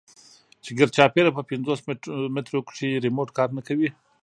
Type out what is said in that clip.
چې ګردچاپېره په پينځوس مټرو کښې ريموټ کار نه کوي.